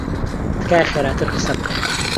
تکایە خێراتر قسە بکە.